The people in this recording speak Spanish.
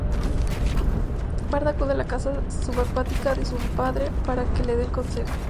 Bart acude a la casa subacuática de su padre para que le de consejo.